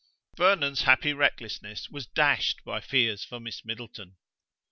Vernon's happy recklessness was dashed by fears for Miss Middleton.